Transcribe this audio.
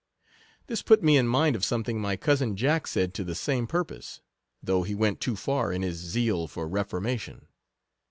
This put me in mind of something my cousin Jack said to the same purpose, though he went too far in his zeal for reformation.